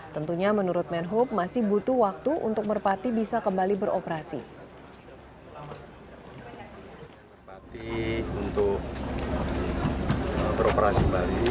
tentunya menurut menhub masih butuh waktu untuk merpati bisa kembali beroperasi